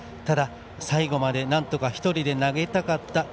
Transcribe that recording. ただ、最後までなんとか１人で投げたかった。